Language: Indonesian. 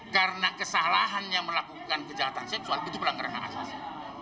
karena kesalahannya melakukan kejahatan seksual itu melanggar hak asasi